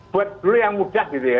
buat dulu yang mudah gitu ya